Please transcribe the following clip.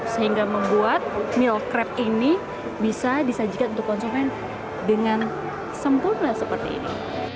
sehingga membuat meal crab ini bisa disajikan untuk konsumen dengan sempurna seperti ini